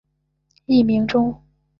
艺名中。